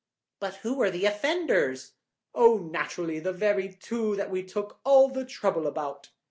"But who were the offenders?" "Oh, naturally the very two that we took all the trouble about."